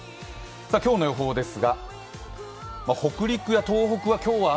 今日の予報です。